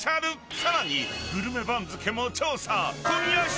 更に、グルメ番付も調査。